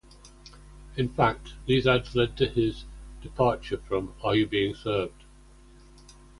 In fact, these ads led to his departure from Are You Being Served?